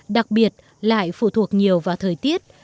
đặc biệt lại phụ thuộc nhiều vào thời tiết